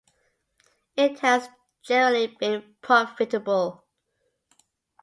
It has generally been profitable.